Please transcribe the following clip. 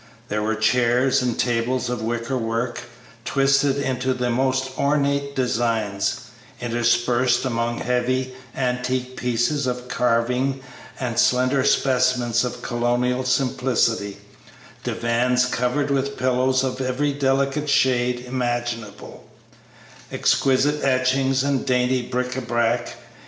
There were chairs and tables of wicker work, twisted into the most ornate designs, interspersed among heavy, antique pieces of carving and slender specimens of colonial simplicity; divans covered with pillows of every delicate shade imaginable; exquisite etchings and dainty bric à brac.